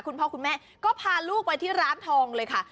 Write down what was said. คุณพ่อคุณแม่ก็พาลูกไปที่ร้านทองเลยค่ะ